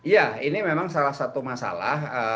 ya ini memang salah satu masalah